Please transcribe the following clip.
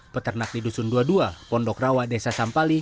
peternak di dusun dua puluh dua pondok rawa desa sampali